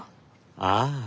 ああ。